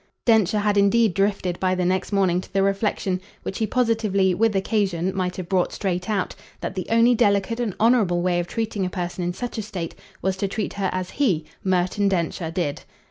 Densher had indeed drifted by the next morning to the reflexion which he positively, with occasion, might have brought straight out that the only delicate and honourable way of treating a person in such a state was to treat her as HE, Merton Densher, did.